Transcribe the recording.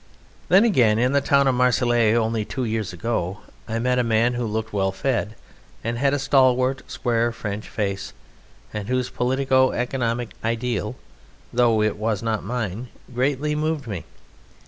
Then, again, in the town of Marseilles, only two years ago, I met a man who looked well fed, and had a stalwart, square French face, and whose politico economic ideal, though it was not mine, greatly moved me.